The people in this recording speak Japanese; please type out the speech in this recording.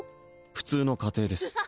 普通の家庭です